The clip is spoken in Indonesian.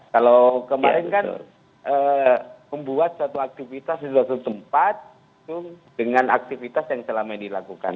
kalau kemarin kan membuat satu aktivitas di suatu tempat dengan aktivitas yang selama ini dilakukan